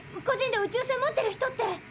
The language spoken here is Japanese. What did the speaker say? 個人で宇宙船持ってる人って！